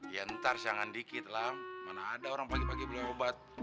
ya ntar jangan dikit lah mana ada orang pagi pagi belum obat